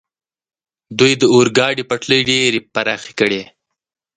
دوی د اورګاډي پټلۍ ډېرې پراخې کړې.